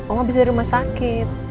oma abis dari rumah sakit